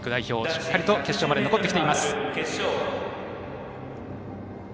しっかりと決勝まで残っています。